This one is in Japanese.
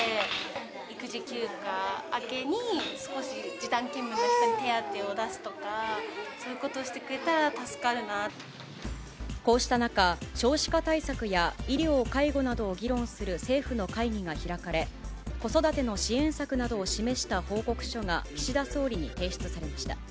育児休暇明けに、少し時短勤務の人に手当を出すとか、そういうことをしてくれたらこうした中、少子化対策や医療・介護などを議論する政府の会議が開かれ、子育ての支援策などを示した報告書が、岸田総理に提出されました。